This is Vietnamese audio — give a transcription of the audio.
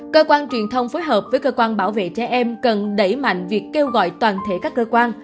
cơ quan truyền thông phối hợp với cơ quan bảo vệ trẻ em cần đẩy mạnh việc kêu gọi toàn thể các cơ quan